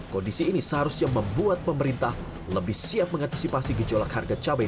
kondisi ini seharusnya membuat pemerintah lebih siap mengantisipasi gejolak harga cabai